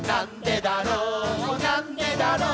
なんでだろう